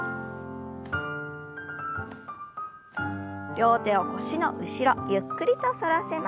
両手を腰の後ろゆっくりと反らせます。